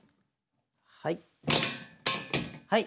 はい。